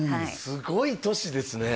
すごい年ですね